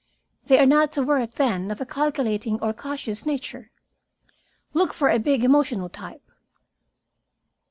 They are not the work, then, of a calculating or cautious nature. Look for a big, emotional type."